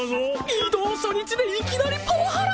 移動初日でいきなりパワハラ！？